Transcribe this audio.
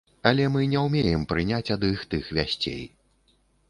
Але мы не ўмеем прыняць ад іх тых вясцей.